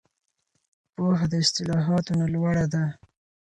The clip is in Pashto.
پوهه د اصطلاحاتو نه لوړه ده.